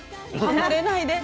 離れないで。